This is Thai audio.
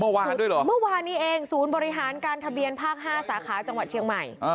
เมื่อวานด้วยเหรอเมื่อวานนี้เองศูนย์บริหารการทะเบียนภาค๕สาขาจังหวัดเชียงใหม่